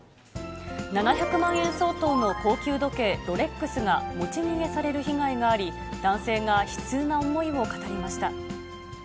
７００万円相当の高級時計、ロレックスが持ち逃げされる被害があり、男性が悲痛な思いを語りました。